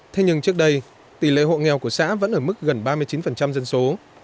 thế nhưng trước đây tỷ lệ hộ nghèo của xã vẫn ở mức gần ba mươi chín dân số